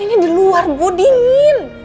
tapi kan ini di luar bu dingin